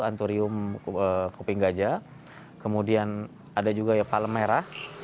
anturium kuping gajah kemudian ada juga palemera